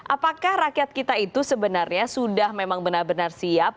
apakah rakyat kita itu sebenarnya sudah memang benar benar siap